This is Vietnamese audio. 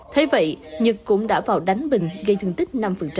thế vậy nhật cũng đã vào đánh bình gây thương tích năm